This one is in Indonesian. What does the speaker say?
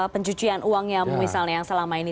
pencucian uang yang misalnya yang selama ini